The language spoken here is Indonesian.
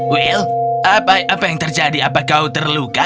will apa yang terjadi apa kau terluka